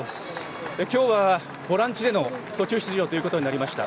今日はボランチでの途中出場となりました。